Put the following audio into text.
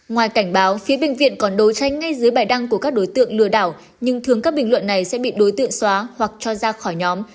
ngoài cảnh báo phía bệnh viện còn đối tranh ngay dưới bài đăng của các đối tượng lừa đảo nhưng thường các bình luận này sẽ bị đối tượng xóa hoặc cho ra khỏi nhóm